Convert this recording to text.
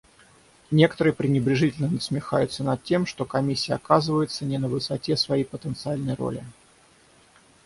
Некоторые пренебрежительно насмехаются над тем, что Комиссия оказывается не на высоте своей потенциальной роли.